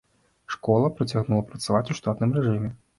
Школа працягнула працаваць у штатным рэжыме.